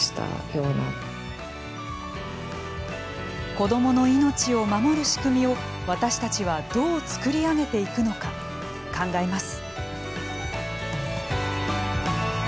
子どもの命を守る仕組みを私たちはどう作り上げていくのか考えます。